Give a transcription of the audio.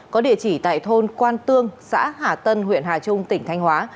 có địa chỉ tại thôn quan tương xã hà tân huyện hà trung tỉnh thanh hóa